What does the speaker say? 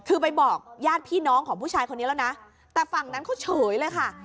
คือไปบอกญาติพี่น้องของผู้ชายคนนี้แล้วนะแต่ฝั่งนั้นเขาเฉยเลยค่ะ